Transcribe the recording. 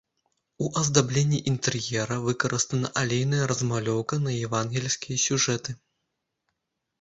У аздабленні інтэр'ера выкарыстана алейная размалёўка на евангельскія сюжэты.